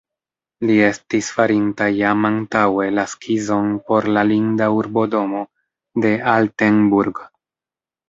Li estis farinta jam antaŭe la skizon por la linda urbodomo de Altenburg.